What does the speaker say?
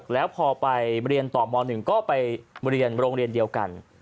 แล้วพอไปเรียนต่อม๑ก็ไปเรียนโรงเรียนเดียวกัน